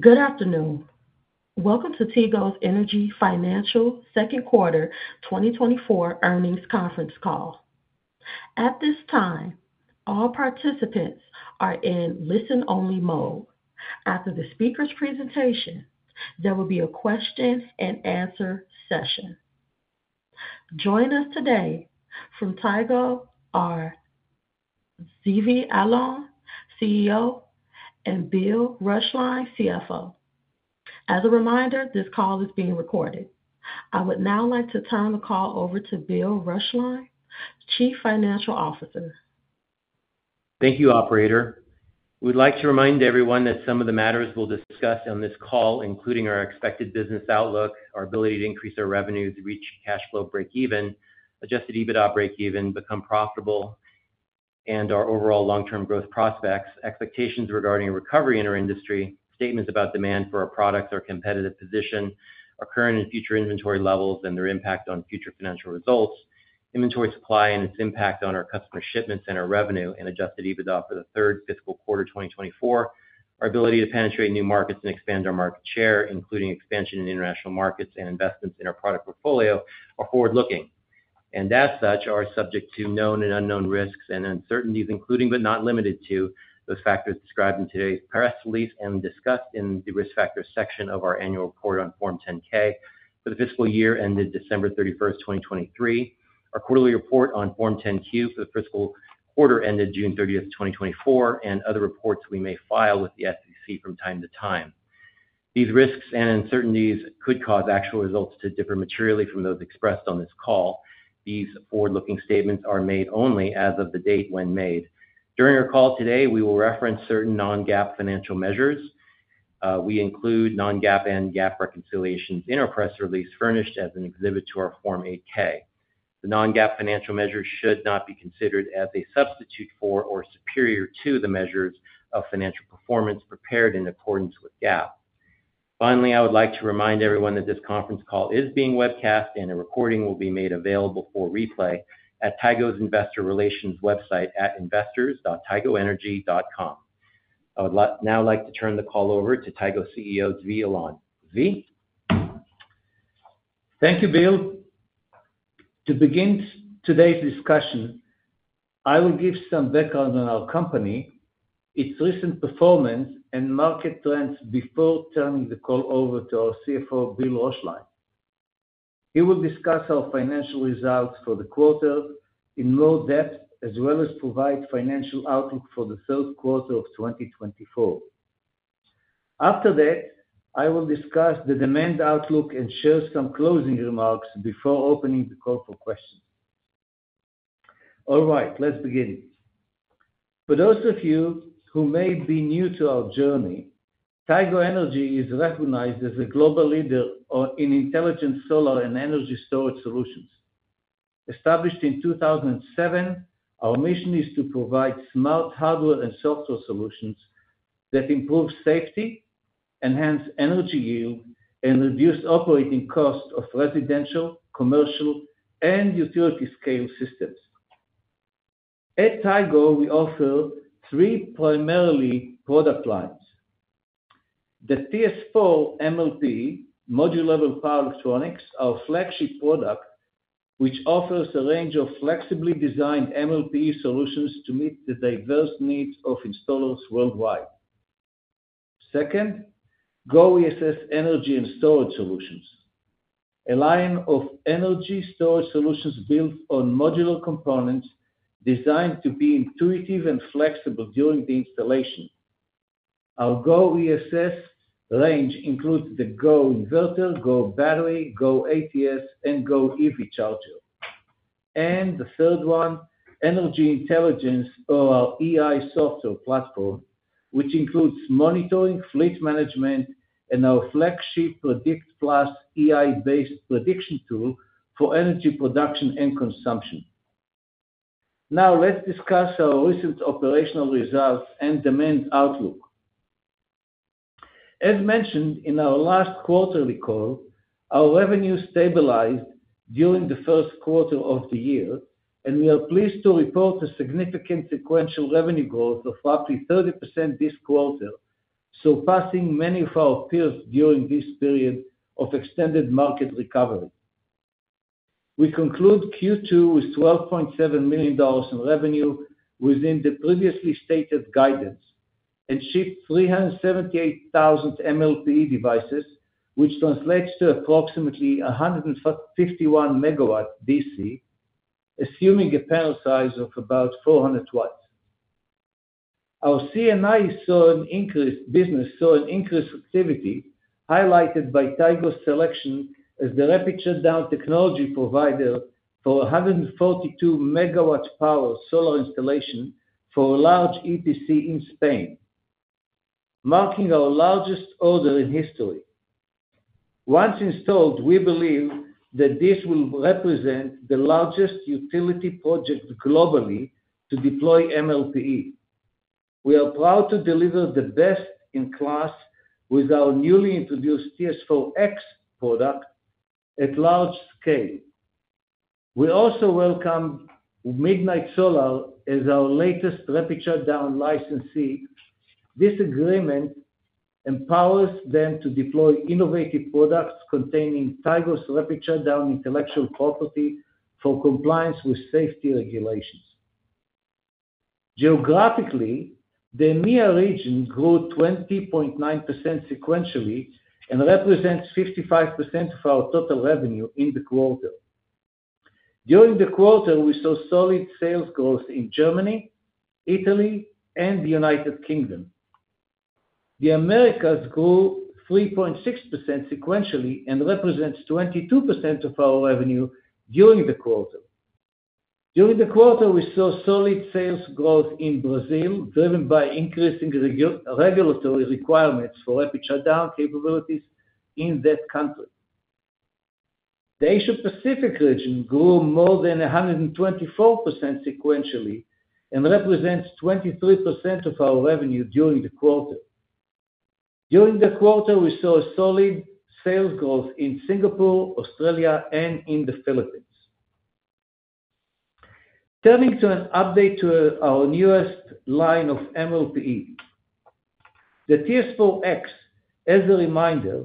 Good afternoon. Welcome to Tigo Energy's financial second quarter 2024 earnings conference call. At this time, all participants are in listen-only mode. After the speaker's presentation, there will be a question and answer session. Joining us today from Tigo are Zvi Alon, CEO, and Bill Roeschlein, CFO. As a reminder, this call is being recorded. I would now like to turn the call over to Bill Roeschlein, Chief Financial Officer. Thank you, operator. We'd like to remind everyone that some of the matters we'll discuss on this call, including our expected business outlook, our ability to increase our revenue to reach cash flow break even, adjusted EBITDA break even, become profitable, and our overall long-term growth prospects, expectations regarding recovery in our industry, statements about demand for our products or competitive position, our current and future inventory levels and their impact on future financial results, inventory supply and its impact on our customer shipments and our revenue and adjusted EBITDA for the third fiscal quarter 2024. Our ability to penetrate new markets and expand our market share, including expansion in international markets and investments in our product portfolio, are forward-looking, and as such, are subject to known and unknown risks and uncertainties, including but not limited to, the factors described in today's press release and discussed in the risk factors section of our annual report on Form 10-K for the fiscal year ended December 31, 2023, our quarterly report on Form 10-Q for the fiscal quarter ended June 30, 2024, and other reports we may file with the SEC from time to time. These risks and uncertainties could cause actual results to differ materially from those expressed on this call. These forward-looking statements are made only as of the date when made. During our call today, we will reference certain non-GAAP financial measures. We include non-GAAP and GAAP reconciliations in our press release, furnished as an exhibit to our Form 8-K. The non-GAAP financial measures should not be considered as a substitute for or superior to the measures of financial performance prepared in accordance with GAAP. Finally, I would like to remind everyone that this conference call is being webcast, and a recording will be made available for replay at Tigo's Investor Relations website at investors.tigoenergy.com. I would now like to turn the call over to Tigo CEO, Zvi Alon. Zvi? Thank you, Bill. To begin today's discussion, I will give some background on our company, its recent performance, and market trends before turning the call over to our CFO, Bill Roeschlein. He will discuss our financial results for the quarter in more depth, as well as provide financial outlook for the third quarter of 2024. After that, I will discuss the demand outlook and share some closing remarks before opening the call for questions. All right, let's begin. For those of you who may be new to our journey, Tigo Energy is recognized as a global leader in intelligent solar and energy storage solutions. Established in 2007, our mission is to provide smart hardware and software solutions that improve safety, enhance energy yield, and reduce operating costs of residential, commercial, and utility scale systems. At Tigo, we offer three primary product lines: the TS4 MLPE, module-level power electronics, our flagship product, which offers a range of flexibly designed MLPE solutions to meet the diverse needs of installers worldwide. Second, GO ESS, Energy Storage Solutions, a line of energy storage solutions built on modular components designed to be intuitive and flexible during the installation. Our GO ESS range includes the GO Inverter, GO Battery, GO ATS, and GO EV Charger. The third one, Energy Intelligence, or our EI software platform, which includes monitoring, fleet management, and our flagship Predict+ AI-based prediction tool for energy production and consumption. Now, let's discuss our recent operational results and demand outlook. As mentioned in our last quarterly call, our revenue stabilized during the first quarter of the year, and we are pleased to report a significant sequential revenue growth of up to 30% this quarter, surpassing many of our peers during this period of extended market recovery. We conclude Q2 with $12.7 million in revenue within the previously stated guidance, and shipped 378,000 MLPE devices, which translates to approximately 151 C DC, assuming a panel size of about 400 watts. Our C&I business saw an increased activity, highlighted by Tigo's selection as the rapid shutdown technology provider for a 142 MW power solar installation for a large EPC in Spain, marking our largest order in history. Once installed, we believe that this will represent the largest utility project globally to deploy MLPE. We are proud to deliver the best-in-class with our newly introduced TS4-X product at large scale. We also welcome MidNite Solar as our latest rapid shutdown licensee. This agreement empowers them to deploy innovative products containing Tigo's rapid shutdown intellectual property for compliance with safety regulations. Geographically, the EMEA region grew 20.9% sequentially and represents 55% of our total revenue in the quarter. During the quarter, we saw solid sales growth in Germany, Italy, and the United Kingdom. The Americas grew 3.6% sequentially and represents 22% of our revenue during the quarter. During the quarter, we saw solid sales growth in Brazil, driven by increasing regulatory requirements for rapid shutdown capabilities in that country. The Asia Pacific region grew more than 124% sequentially and represents 23% of our revenue during the quarter. During the quarter, we saw a solid sales growth in Singapore, Australia, and in the Philippines. Turning to an update to our newest line of MLPE. The TS4-X, as a reminder,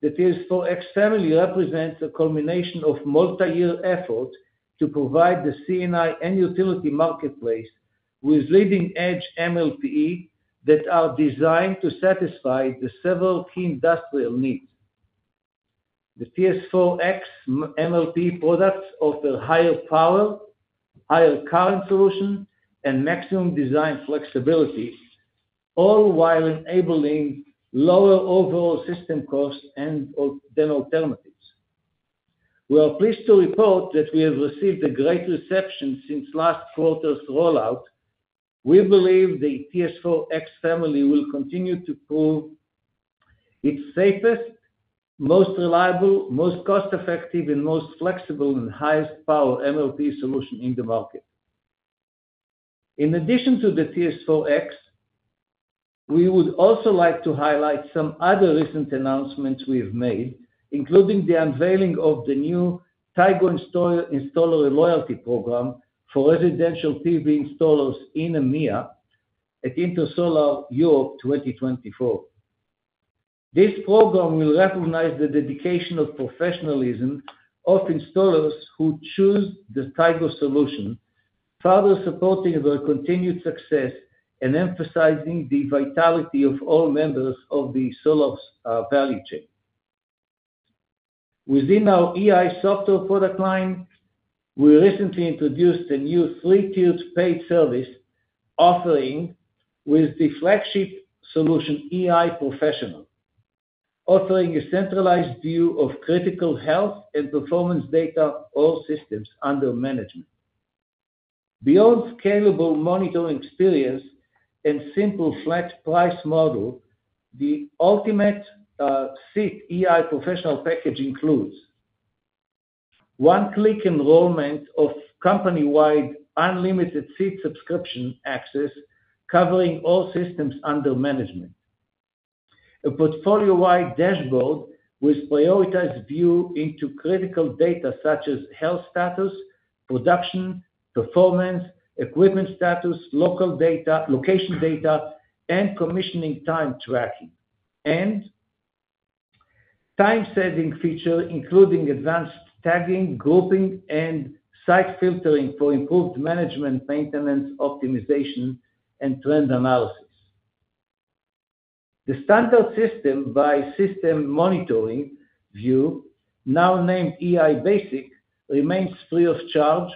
the TS4-X family represents a culmination of multi-year effort to provide the C&I and utility marketplace with leading-edge MLPE that are designed to satisfy the several key industrial needs. The TS4-X MLPE products offer higher power, higher current solution, and maximum design flexibility, all while enabling lower overall system costs and than alternatives. We are pleased to report that we have received a great reception since last quarter's rollout. We believe the TS4-X family will continue to prove it's safest, most reliable, most cost-effective, and most flexible, and highest power MLPE solution in the market. In addition to the TS4-X, we would also like to highlight some other recent announcements we have made, including the unveiling of the new Tigo Installer, Installer Loyalty Program for residential PV installers in EMEA at Intersolar Europe 2024. This program will recognize the dedication of professionalism of installers who choose the Tigo solution, further supporting their continued success and emphasizing the vitality of all members of the solars value chain. Within our EI software product line, we recently introduced a new three-tiered paid service offering with the flagship solution, EI Professional, offering a centralized view of critical health and performance data, all systems under management. Beyond scalable monitoring experience and simple flat price model, the ultimate seat EI Professional package includes: one-click enrollment of company-wide, unlimited seat subscription access, covering all systems under management. A portfolio-wide dashboard with prioritized view into critical data such as health status, production, performance, equipment status, local data, location data, and commissioning time tracking. Time-saving feature, including advanced tagging, grouping, and site filtering for improved management, maintenance, optimization, and trend analysis. The standard system-by-system monitoring view, now named EI Basic, remains free of charge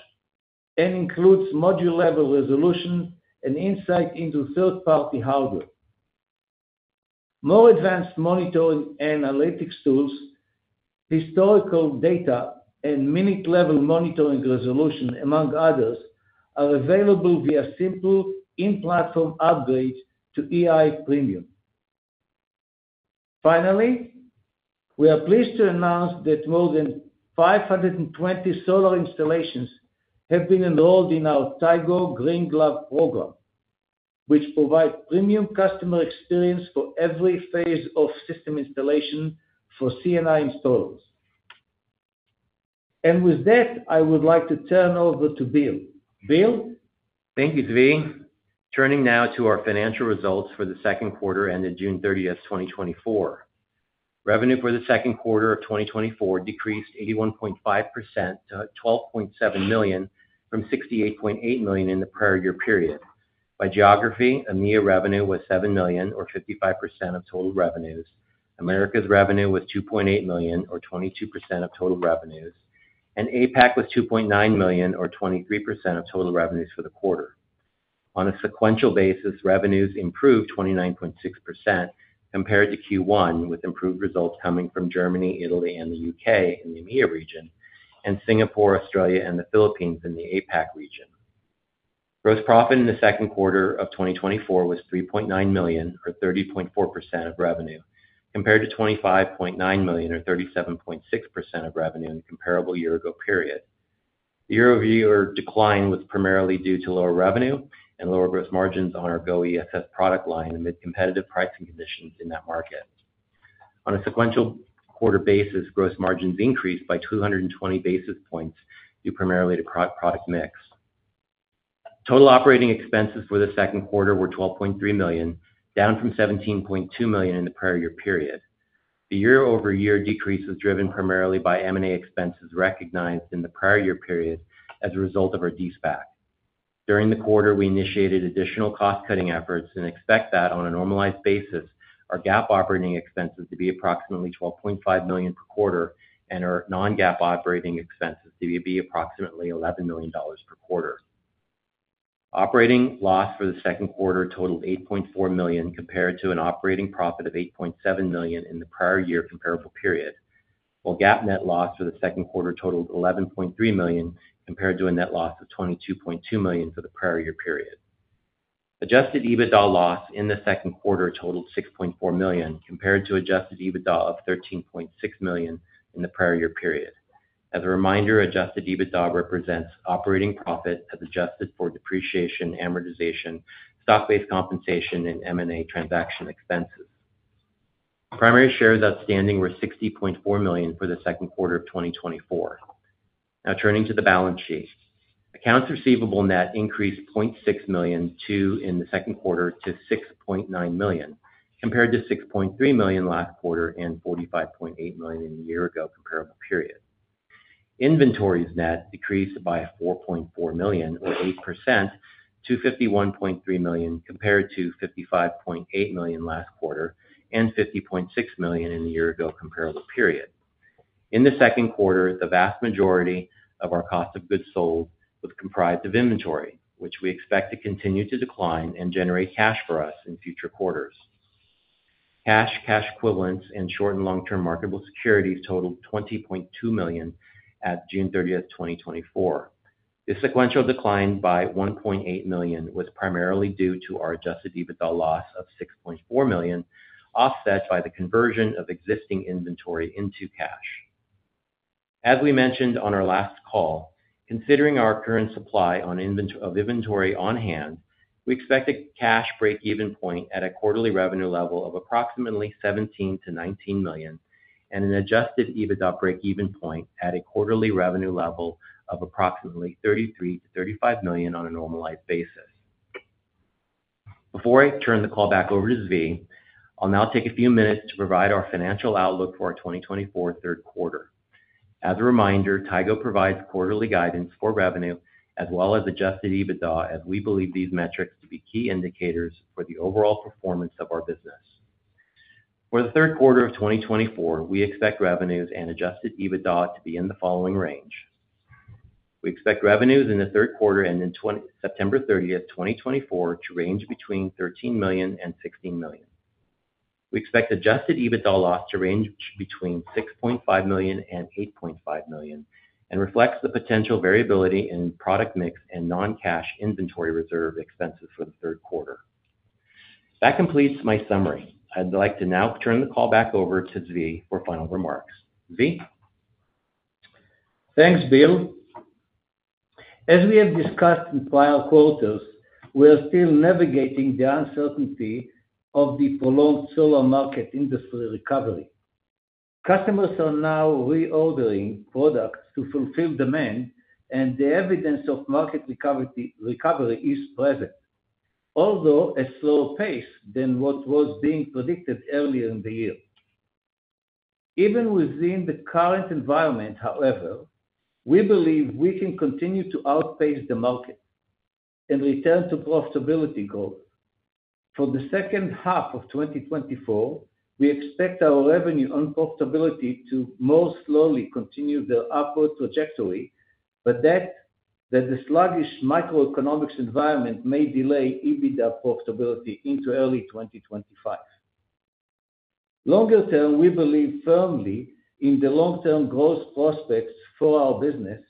and includes module-level resolution and insight into third-party hardware. More advanced monitoring and analytics tools, historical data, and minute-level monitoring resolution, among others, are available via simple in-platform upgrade to EI Premium. Finally, we are pleased to announce that more than 520 solar installations have been enrolled in our Tigo Green Glove program, which provide premium customer experience for every phase of system installation for C&I installers. And with that, I would like to turn over to Bill. Bill? Thank you, Zvi. Turning now to our financial results for the second quarter ended June 30, 2024. Revenue for the second quarter of 2024 decreased 81.5% to $12.7 million, from $68.8 million in the prior year period. By geography, EMEA revenue was $7 million, or 55% of total revenues. Americas revenue was $2.8 million, or 22% of total revenues, and APAC was $2.9 million, or 23% of total revenues for the quarter. On a sequential basis, revenues improved 29.6% compared to Q1, with improved results coming from Germany, Italy, and the UK in the EMEA region, and Singapore, Australia, and the Philippines in the APAC region. Gross profit in the second quarter of 2024 was $3.9 million, or 30.4% of revenue, compared to $25.9 million, or 37.6% of revenue in the comparable year ago period. The year-over-year decline was primarily due to lower revenue and lower gross margins on our GO ESS product line amid competitive pricing conditions in that market. On a sequential quarter basis, gross margins increased by 220 basis points, due primarily to product mix. Total operating expenses for the second quarter were $12.3 million, down from $17.2 million in the prior year period. The year-over-year decrease was driven primarily by M&A expenses recognized in the prior year period as a result of our de-SPAC. During the quarter, we initiated additional cost-cutting efforts and expect that on a normalized basis, our GAAP operating expenses to be approximately $12.5 million per quarter, and our non-GAAP operating expenses to be approximately $11 million per quarter. Operating loss for the second quarter totaled $8.4 million, compared to an operating profit of $8.7 million in the prior year comparable period, while GAAP net loss for the second quarter totaled $11.3 million, compared to a net loss of $22.2 million for the prior year period. Adjusted EBITDA loss in the second quarter totaled $6.4 million, compared to adjusted EBITDA of $13.6 million in the prior year period. As a reminder, adjusted EBITDA represents operating profit as adjusted for depreciation, amortization, stock-based compensation, and M&A transaction expenses. Primary shares outstanding were 60.4 million for the second quarter of 2024. Now, turning to the balance sheet. Accounts receivable net increased $0.6 million to, in the second quarter, to $6.9 million, compared to $6.3 million last quarter and $45.8 million in the year ago comparable period. Inventories net decreased by $4.4 million, or 8%, to $51.3 million, compared to $55.8 million last quarter and $50.6 million in the year ago comparable period. In the second quarter, the vast majority of our cost of goods sold was comprised of inventory, which we expect to continue to decline and generate cash for us in future quarters. Cash, cash equivalents, and short and long-term marketable securities totaled $20.2 million at June 30, 2024. The sequential decline by $1.8 million was primarily due to our Adjusted EBITDA loss of $6.4 million, offset by the conversion of existing inventory into cash. As we mentioned on our last call, considering our current supply of inventory on hand, we expect a cash breakeven point at a quarterly revenue level of approximately $17 million-$19 million and an Adjusted EBITDA breakeven point at a quarterly revenue level of approximately $33 million-$35 million on a normalized basis. Before I turn the call back over to Zvi, I'll now take a few minutes to provide our financial outlook for our 2024 third quarter. As a reminder, Tigo provides quarterly guidance for revenue as well as Adjusted EBITDA, as we believe these metrics to be key indicators for the overall performance of our business. For the third quarter of 2024, we expect revenues and Adjusted EBITDA to be in the following range: We expect revenues in the third quarter September 30, 2024, to range between $13 million-$16 million. We expect Adjusted EBITDA loss to range between $6.5 million-$8.5 million and reflects the potential variability in product mix and non-cash inventory reserve expenses for the third quarter. That completes my summary. I'd like to now turn the call back over to Zvi for final remarks. Zvi? Thanks, Bill. As we have discussed in prior quarters, we are still navigating the uncertainty of the prolonged solar market industry recovery. Customers are now reordering products to fulfill demand, and the evidence of market recovery, recovery is present, although a slower pace than what was being predicted earlier in the year. Even within the current environment, however, we believe we can continue to outpace the market and return to profitability growth. For the second half of 2024, we expect our revenue and profitability to more slowly continue their upward trajectory, but that, that the sluggish macroeconomics environment may delay EBITDA profitability into early 2025. Longer term, we believe firmly in the long-term growth prospects for our business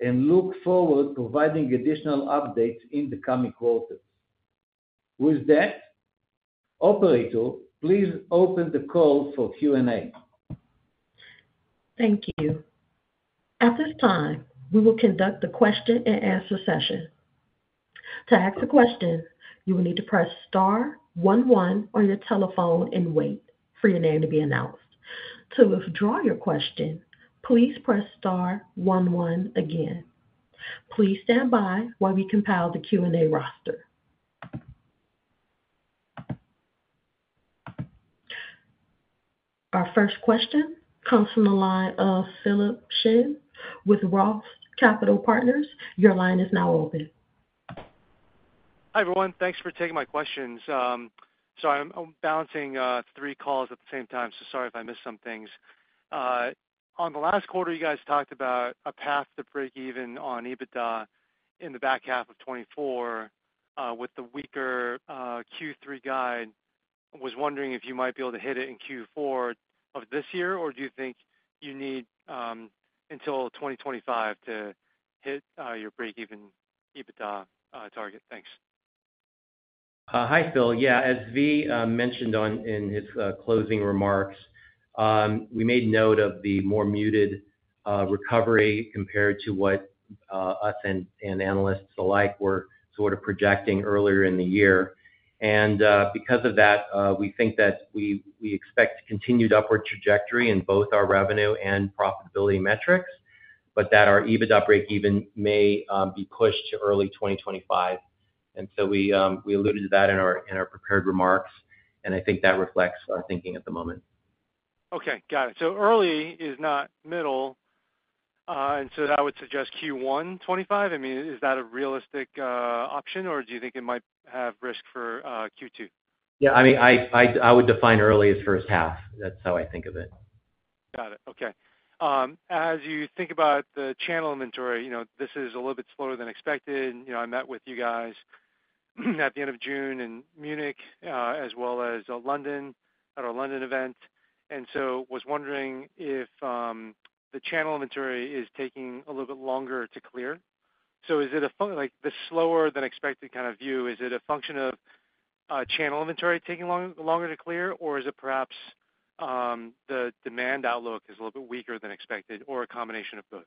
and look forward to providing additional updates in the coming quarters. With that, operator, please open the call for Q&A. Thank you. At this time, we will conduct the question-and-answer session. To ask a question, you will need to press star one one on your telephone and wait for your name to be announced. To withdraw your question, please press star one one again. Please stand by while we compile the Q&A roster. Our first question comes from the line of Philip Shen with Roth Capital Partners. Your line is now open. Hi, everyone. Thanks for taking my questions. So I'm balancing three calls at the same time, so sorry if I miss some things. On the last quarter, you guys talked about a path to breakeven on EBITDA in the back half of 2024, with the weaker Q3 guide. I was wondering if you might be able to hit it in Q4 of this year, or do you think you need until 2025 to hit your breakeven EBITDA target? Thanks. Hi, Phil. Yeah, as Zvi mentioned in his closing remarks, we made note of the more muted recovery compared to what us and analysts alike were sort of projecting earlier in the year. Because of that, we think that we expect continued upward trajectory in both our revenue and profitability metrics, but that our EBITDA breakeven may be pushed to early 2025. So we alluded to that in our prepared remarks, and I think that reflects our thinking at the moment. Okay, got it. So early is not middle, and so that would suggest Q1 2025? I mean, is that a realistic option, or do you think it might have risk for Q2? Yeah, I mean, I would define early as first half. That's how I think of it. Got it. Okay. As you think about the channel inventory, you know, this is a little bit slower than expected. You know, I met with you guys at the end of June in Munich, as well as, London, at our London event. And so was wondering if, the channel inventory is taking a little bit longer to clear. So is it like, the slower than expected kind of view, is it a function of, channel inventory taking longer to clear? Or is it perhaps, the demand outlook is a little bit weaker than expected, or a combination of both,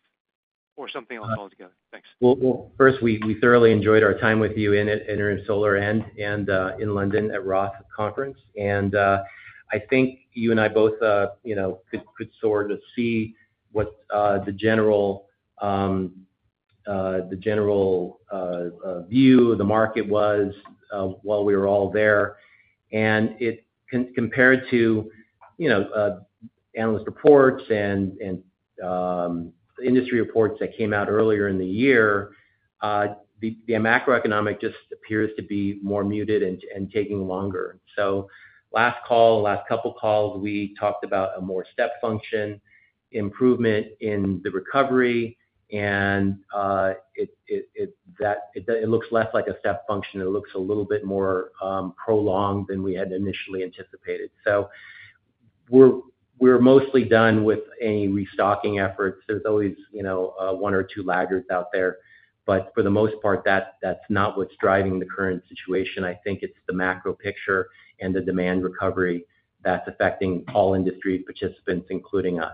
or something else altogether? Thanks. Well, well, first, we thoroughly enjoyed our time with you in at Intersolar and in London at Roth Conference. And I think you and I both you know could sort of see what the general the general view of the market was while we were all there. And it compared to you know analyst reports and industry reports that came out earlier in the year the macroeconomic just appears to be more muted and taking longer. So last call, last couple calls, we talked about a more step function improvement in the recovery, and it looks less like a step function. It looks a little bit more prolonged than we had initially anticipated. So we're mostly done with any restocking efforts. There's always, you know, one or two laggards out there, but for the most part, that's, that's not what's driving the current situation. I think it's the macro picture and the demand recovery that's affecting all industry participants, including us.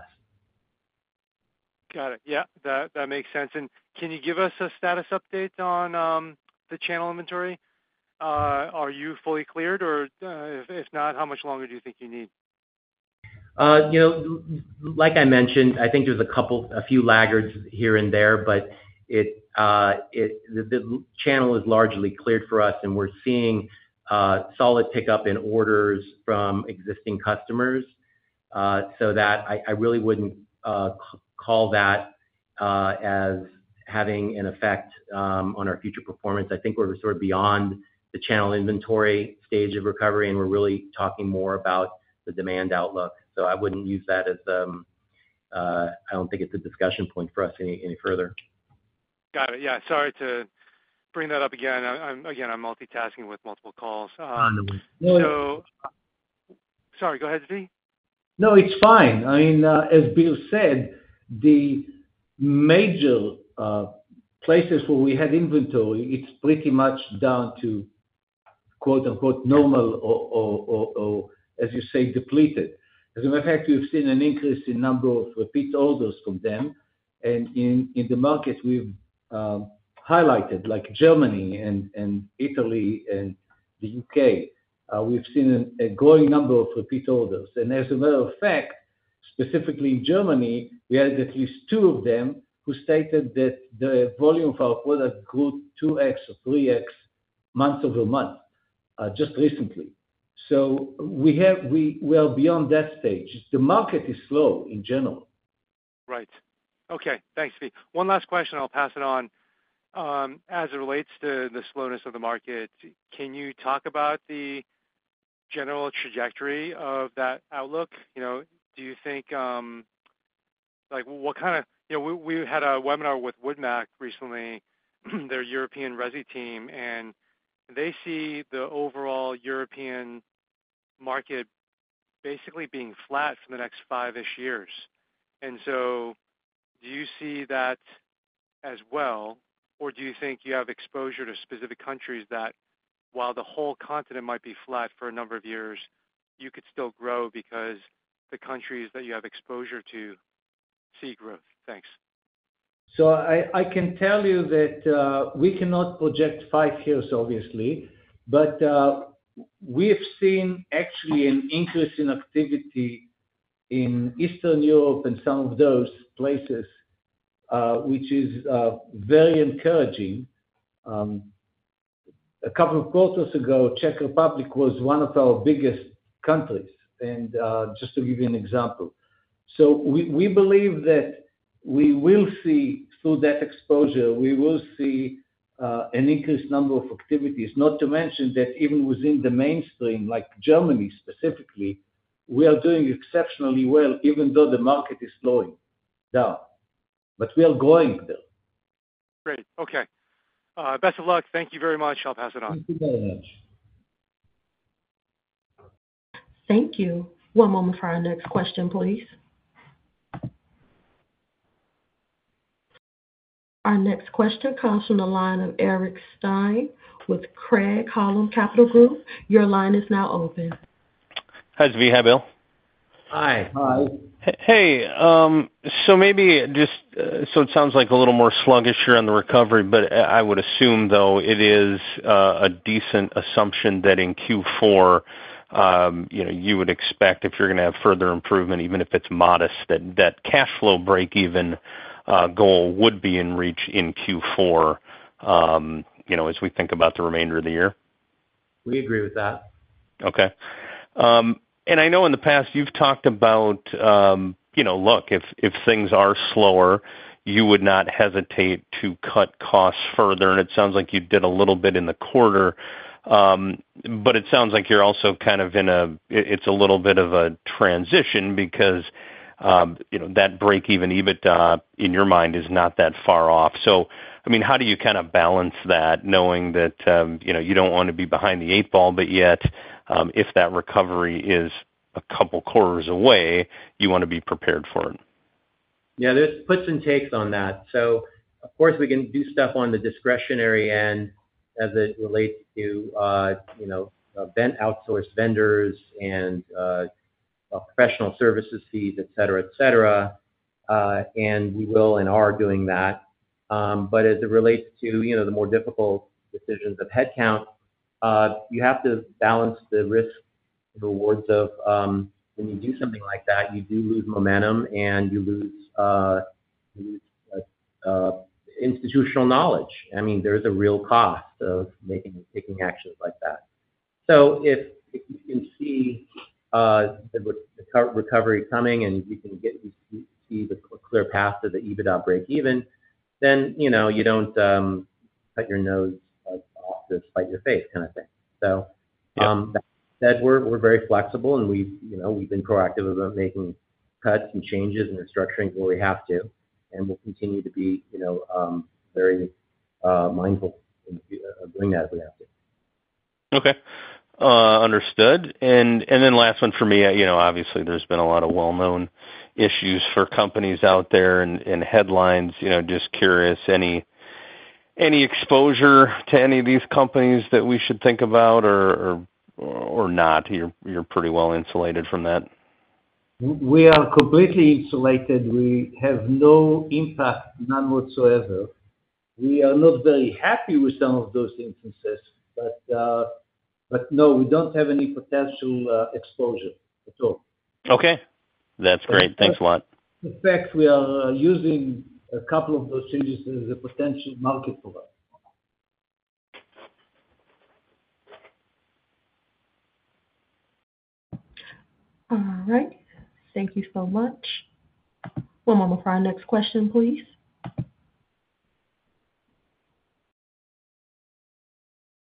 Got it. Yeah, that makes sense. Can you give us a status update on the channel inventory? Are you fully cleared, or, if not, how much longer do you think you need? You know, like I mentioned, I think there's a couple, a few laggards here and there, but it, the channel is largely cleared for us, and we're seeing solid pickup in orders from existing customers. So that I really wouldn't call that as having an effect on our future performance. I think we're sort of beyond the channel inventory stage of recovery, and we're really talking more about the demand outlook, so I wouldn't use that as, I don't think it's a discussion point for us any further. Got it. Yeah, sorry to bring that up again. Again, I'm multitasking with multiple calls. Understood. Sorry, go ahead, Zvi. No, it's fine. I mean, as Bill said, the major places where we had inventory, it's pretty much down to, quote, unquote, normal or as you say, depleted. As a matter of fact, we've seen an increase in number of repeat orders from them, and in the markets we've highlighted, like Germany and Italy and the UK, we've seen a growing number of repeat orders. And as a matter of fact, specifically in Germany, we had at least two of them who stated that the volume of our product grew 2x or 3x, month-over-month, just recently. So we are beyond that stage. The market is slow in general. Right. Okay. Thanks, Zvi. One last question, I'll pass it on. As it relates to the slowness of the market, can you talk about the general trajectory of that outlook? You know, do you think, like what kind of... You know, we had a webinar with Wood Mackenzie recently, their European resi team, and they see the overall European market basically being flat for the next five-ish years. And so do you see that as well, or do you think you have exposure to specific countries that, while the whole continent might be flat for a number of years, you could still grow because the countries that you have exposure to see growth? Thanks. So I can tell you that we cannot project five years, obviously, but we've seen actually an increase in activity in Eastern Europe and some of those places, which is very encouraging. A couple of quarters ago, Czech Republic was one of our biggest countries, and just to give you an example. So we believe that we will see, through that exposure, we will see an increased number of activities. Not to mention that even within the mainstream, like Germany specifically, we are doing exceptionally well, even though the market is slowing down, but we are growing still. Great. Okay. Best of luck. Thank you very much. I'll pass it on. Thank you very much. Thank you. One moment for our next question, please. Our next question comes from the line of Eric Stine, with Craig-Hallum Capital Group. Your line is now open.... Hi, Zvi, Bill? Hi. Hi. Hey, so maybe just, so it sounds like a little more sluggish here on the recovery, but, I would assume, though, it is a decent assumption that in Q4, you know, you would expect if you're gonna have further improvement, even if it's modest, that, that cash flow breakeven goal would be in reach in Q4, you know, as we think about the remainder of the year? We agree with that. Okay. And I know in the past you've talked about, you know, look, if things are slower, you would not hesitate to cut costs further, and it sounds like you did a little bit in the quarter. But it sounds like you're also kind of in a—it's a little bit of a transition because, you know, that breakeven EBITDA, in your mind, is not that far off. So, I mean, how do you kinda balance that, knowing that, you know, you don't wanna be behind the eighth ball, but yet, if that recovery is a couple quarters away, you wanna be prepared for it? Yeah, there's puts and takes on that. So of course, we can do stuff on the discretionary end as it relates to, you know, event outsource vendors and, professional services fees, et cetera, et cetera. And we will and are doing that. But as it relates to, you know, the more difficult decisions of headcount, you have to balance the risk, the rewards of, when you do something like that, you do lose momentum and you lose institutional knowledge. I mean, there's a real cost of making and taking actions like that. So if you can see the recovery coming and you can see the clear path to the EBITDA breakeven, then, you know, you don't cut your nose off to spite your face kinda thing. We're very flexible, and you know, we've been proactive about making cuts and changes and restructuring where we have to, and we'll continue to be, you know, very mindful in doing that as we have to. Okay, understood. And then last one for me. You know, obviously, there's been a lot of well-known issues for companies out there and headlines, you know, just curious, any exposure to any of these companies that we should think about or not, you're pretty well insulated from that? We are completely insulated. We have no impact, none whatsoever. We are not very happy with some of those instances, but no, we don't have any potential exposure at all. Okay. That's great. Thanks a lot. In fact, we are using a couple of those things as a potential market for us. All right. Thank you so much. One moment for our next question, please.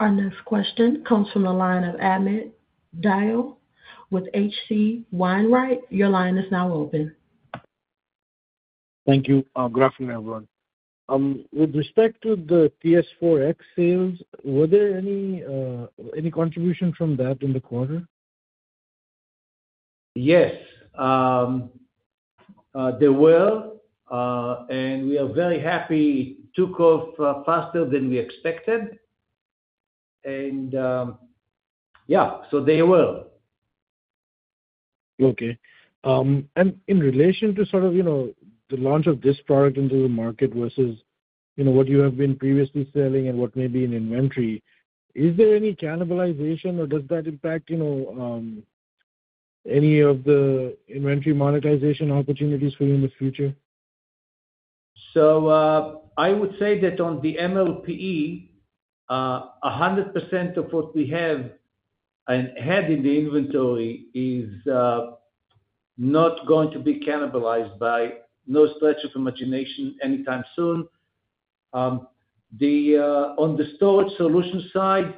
Our next question comes from the line of Amit Dayal with H.C. Wainwright. Your line is now open. Thank you. Good afternoon, everyone. With respect to the TS4-X sales, were there any contribution from that in the quarter? Yes, there were, and we are very happy it took off faster than we expected. And, yeah, so they were. Okay. In relation to sort of, you know, the launch of this product into the market versus, you know, what you have been previously selling and what may be in inventory, is there any cannibalization or does that impact, you know, any of the inventory monetization opportunities for you in the future? So, I would say that on the MLPE, 100% of what we have and had in the inventory is not going to be cannibalized by no stretch of imagination anytime soon. On the storage solution side,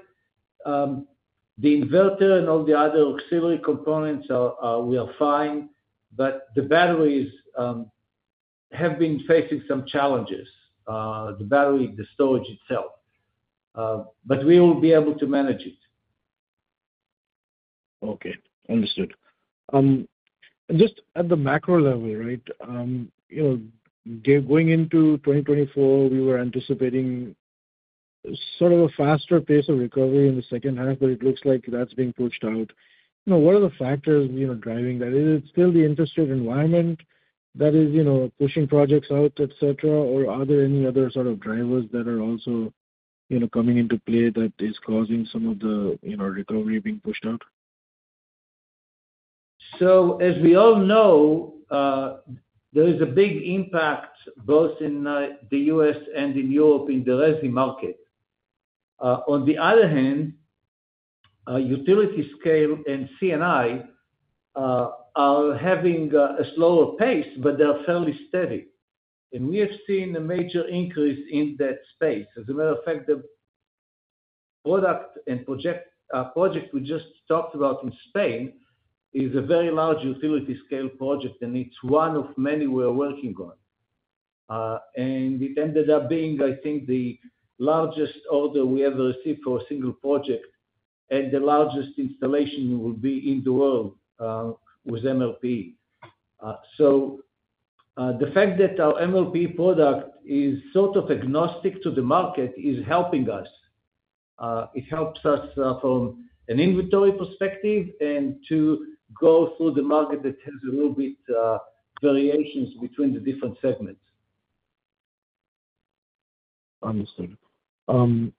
the inverter and all the other auxiliary components, we are fine, but the batteries have been facing some challenges, the battery, the storage itself, but we will be able to manage it. Okay, understood. Just at the macro level, right, you know, going into 2024, we were anticipating sort of a faster pace of recovery in the second half, but it looks like that's being pushed out. You know, what are the factors, you know, driving that? Is it still the interest rate environment that is, you know, pushing projects out, et cetera, or are there any other sort of drivers that are also, you know, coming into play that is causing some of the, you know, recovery being pushed out? So, as we all know, there is a big impact both in the U.S. and in Europe, in the resi market. On the other hand, utility scale and C&I are having a slower pace, but they are fairly steady. And we have seen a major increase in that space. As a matter of fact, the product and project we just talked about in Spain is a very large utility scale project, and it's one of many we are working on. And it ended up being, I think, the largest order we ever received for a single project, and the largest installation will be in the world with MLP. So, the fact that our MLP product is sort of agnostic to the market is helping us. It helps us, from an inventory perspective and to go through the market that has a little bit, variations between the different segments. Understood. And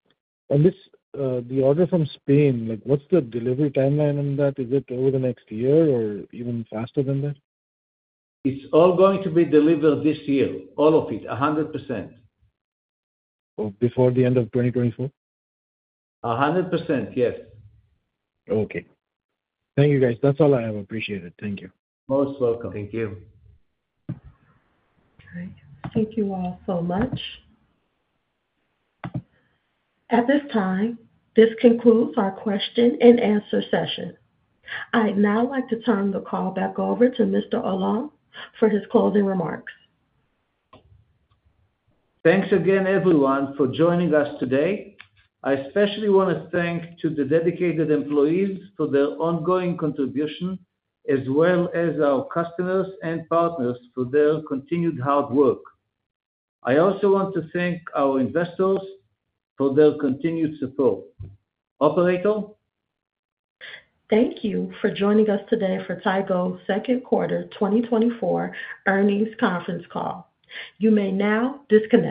this, the order from Spain, like, what's the delivery timeline on that? Is it over the next year or even faster than that? It's all going to be delivered this year. All of it, 100%. Before the end of 2024? 100%, yes. Okay. Thank you, guys. That's all I have. Appreciate it. Thank you. Most welcome. Thank you. Great. Thank you all so much. At this time, this concludes our question and answer session. I'd now like to turn the call back over to Mr. Alon for his closing remarks. Thanks again, everyone, for joining us today. I especially wanna thank to the dedicated employees for their ongoing contribution, as well as our customers and partners for their continued hard work. I also want to thank our investors for their continued support. Operator? Thank you for joining us today for Tigo's second quarter 2024 earnings conference call. You may now disconnect.